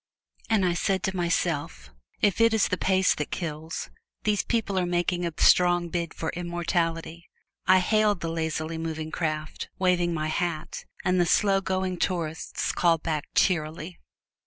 And I said to myself, if "it is the pace that kills," these people are making a strong bid for immortality. I hailed the lazily moving craft, waving my hat, and the slow going tourists called back cheerily.